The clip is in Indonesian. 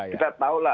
kita tahu lah